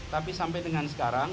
tapi sampai dengan sekarang